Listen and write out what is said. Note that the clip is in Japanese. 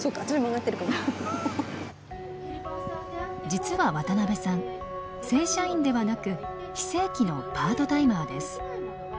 実は渡邊さん正社員ではなく非正規のパートタイマーです。